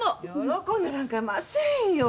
喜んでなんかいませんよ。